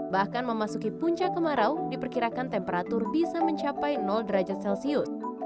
bahkan memasuki puncak kemarau diperkirakan temperatur bisa mencapai derajat celcius